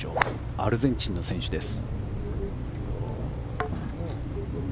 アルゼンチンの選手です。